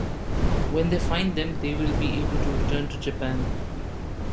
When they find them, they will be able to return to Japan.